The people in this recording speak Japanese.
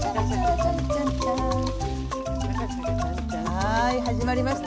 はい始まりました。